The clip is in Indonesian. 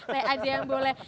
saya aja yang boleh